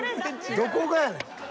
どこがやねん。